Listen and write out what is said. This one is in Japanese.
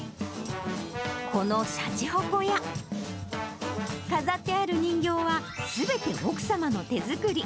このしゃちほこや、飾ってある人形は、すべて奥様の手作り。